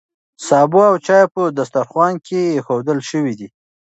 سابه او چای په دسترخوان کې ایښودل شوي دي.